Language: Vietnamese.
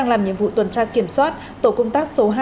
làm nhiệm vụ tuần tra kiểm soát tổ công tác số hai